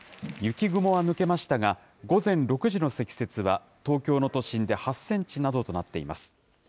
雪雲は抜けましたが、午前６時の積雪は東京の都心で８センチなどとなっています。